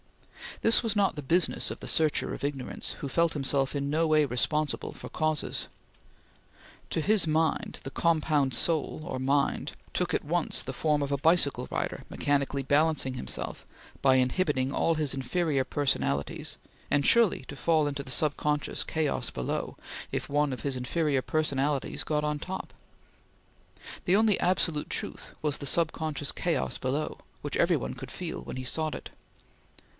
This was not the business of the searcher of ignorance, who felt himself in no way responsible for causes. To his mind, the compound IvXn took at once the form of a bicycle rider, mechanically balancing himself by inhibiting all his inferior personalities, and sure to fall into the sub conscious chaos below, if one of his inferior personalities got on top. The only absolute truth was the sub conscious chaos below, which every one could feel when he sought it.